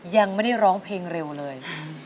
ยังไม่ได้ร้องเพลงเร็วเลย